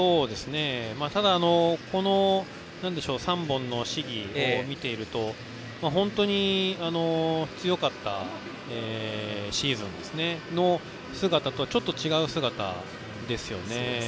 ただ、この３本の試技を見ていると本当に強かったシーズンの姿とはちょっと違う姿ですよね。